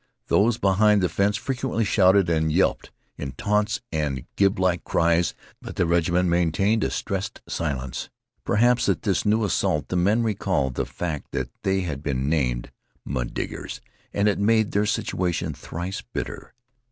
Those behind the fence frequently shouted and yelped in taunts and gibelike cries, but the regiment maintained a stressed silence. Perhaps, at this new assault the men recalled the fact that they had been named mud diggers, and it made their situation thrice bitter.